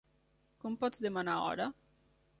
Com pots demanar hora?